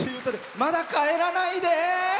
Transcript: まだ帰らないで！